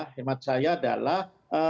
hemat saya adalah